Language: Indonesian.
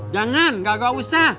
jangan nggak gak usah